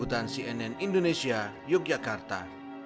jangan lupa untuk berlangganan indonesia yogyakarta